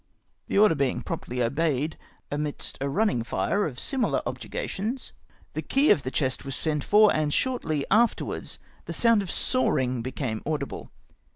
The order being promptly obeyed, amidst a running fire of similar objurgations, the key of the chest was sent for, and shortly afterwards the sound of sawing became audible.